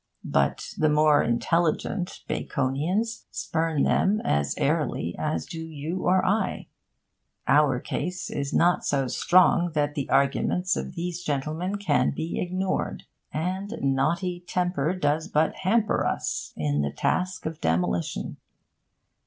But the more intelligent Baconians spurn them as airily as do you or I. Our case is not so strong that the arguments of these gentlemen can be ignored; and naughty temper does but hamper us in the task of demolition.